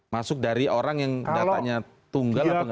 masuk dari orang yang datanya tunggal atau nggak